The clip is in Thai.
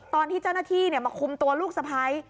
ตอนที่เจ้าหน้าที่มาคุมตัวลูกสะพ้าย